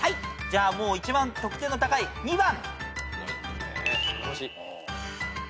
じゃあもう一番得点の高い２番。